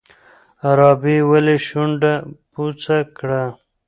رابعې ولې شونډه بوڅه کړه؟